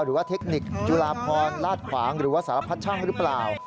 หรือว่าเทคนิคจุฬาพรลาดขวางหรือว่าสารพัชชั่งหรือเปล่า